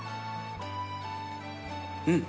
うん。